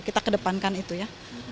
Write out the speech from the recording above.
kita kedepankan itu ya